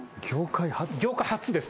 業界初です。